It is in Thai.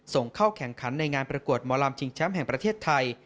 ส่งเข้าแข่งขันในงานประกวดหมอลำชิงแชมป์แห่งประเทศไทย